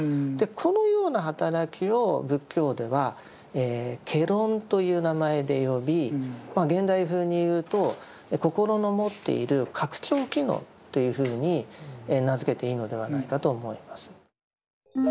このような働きを仏教では「戯論」という名前で呼び現代風に言うと「心の持っている拡張機能」というふうに名付けていいのではないかと思います。